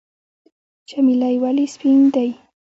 چمیلی ولې سپین دی؟